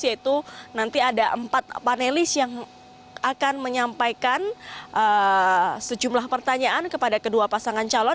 yaitu nanti ada empat panelis yang akan menyampaikan sejumlah pertanyaan kepada kedua pasangan calon